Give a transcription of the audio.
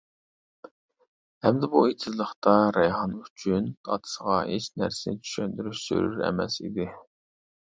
ئەمدى بۇ ئېتىزلىقتا رەيھان ئۈچۈن ئاتىسىغا ھېچ نەرسىنى چۈشەندۈرۈش زۆرۈر ئەمەس ئىدى.